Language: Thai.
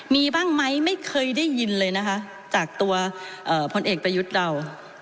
มีบ้างไหมไม่เคยได้ยินเลยนะคะจากตัวพลเอกประยุทธ์เรา